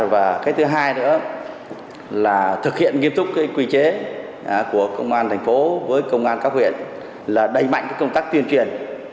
và cái thứ hai nữa là thực hiện nghiêm túc quy chế của công an thành phố với công an các huyện là đẩy mạnh công tác tuyên truyền